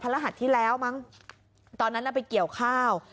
รหัสที่แล้วมั้งตอนนั้นน่ะไปเกี่ยวข้าว